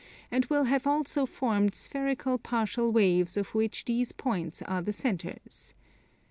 and will have also formed spherical partial waves of which these points are the centres.